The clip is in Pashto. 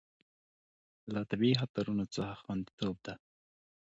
له طبیعي خطرونو څخه خوندیتوب ده.